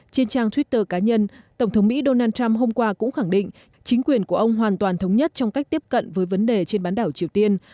trên trang twitter cá nhân tổng thống mỹ donald trump hôm qua cũng khẳng định chính quyền của ông hoàn toàn thống nhất trong cách tiếp cận với vấn đề trên bán đảo triều tiên